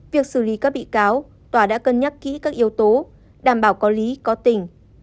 việc xử lý các bị cáo tòa đã cân nhắc kỹ các yếu tố đảm bảo có lý có tình